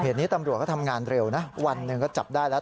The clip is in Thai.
เหตุนี้ตำรวจเขาทำงานเร็วนะวันหนึ่งก็จับได้แล้ว